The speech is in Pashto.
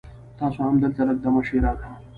تاسو هم دلته لږ دمه شي را ته